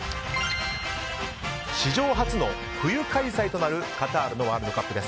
史上初の冬開催となるカタールのワールドカップ。